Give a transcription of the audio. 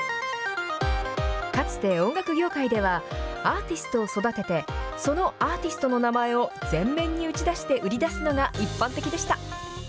かつて音楽業界では、アーティストを育てて、そのアーティストの名前を前面に打ち出して売り出すのが一般的でした。